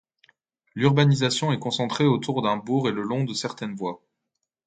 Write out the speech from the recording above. L'urbanisation est concentrée autour d'un bourg et le long de certaines voies.